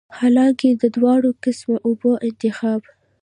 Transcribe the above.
حالانکه د دواړو قسمه اوبو انتخاب